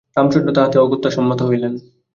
রামচন্দ্র তাহাতে অগত্যা সম্মত হইলেন।